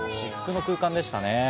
至福の空間でしたね。